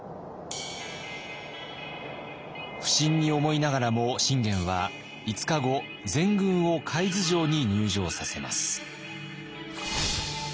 不審に思いながらも信玄は５日後全軍を海津城に入城させます。